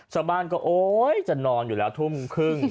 ชาวบ้านก็โอ๊ยจะนอนอยู่แล้วทุ่มครึ่ง